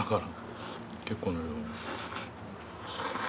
結構な量。